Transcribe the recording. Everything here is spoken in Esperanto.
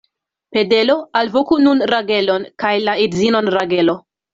Pedelo, alvoku nun Ragelon kaj la edzinon Ragelo.